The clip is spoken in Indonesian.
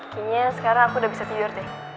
kayaknya sekarang aku udah bisa tidur deh